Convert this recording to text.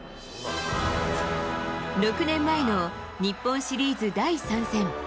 ６年前の日本シリーズ第３戦。